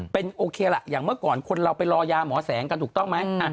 เป็นโอเคล่ะอย่างเมื่อก่อนคนเราไปรอยาหมอแสงกันถูกต้องไหม